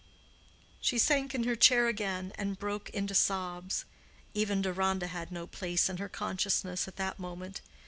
She sank in her chair again and broke into sobs. Even Deronda had no place in her consciousness at that moment.